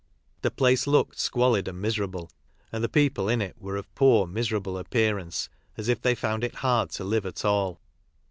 The place looked squalid and miserable, and the people in it were of poor, miserable, appearance as if they found it hard to live at all.